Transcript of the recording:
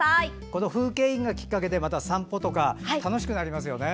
この風景印がきっかけでまた散歩とか楽しくなりますよね。